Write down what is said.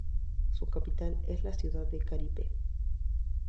Su capital es la ciudad de Caripe.